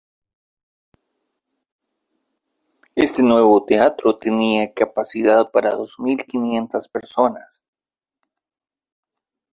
Este nuevo teatro tenía capacidad para dos mil quinientas personas.